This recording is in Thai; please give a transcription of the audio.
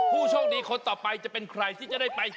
ผู้โชคดีคนต่อไปจะเป็นใครที่จะได้ไป